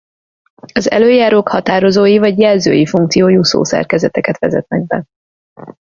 Az elöljárók határozói vagy jelzői funkciójú szószerkezeteket vezetnek be.